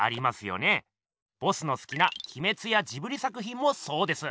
ボスのすきな鬼滅やジブリ作ひんもそうです。